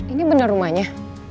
ini bener rumahnya